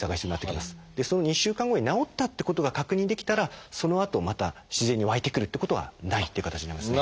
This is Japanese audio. その２週間後に治ったってことが確認できたらそのあとまた自然に湧いてくるってことはないって形になりますね。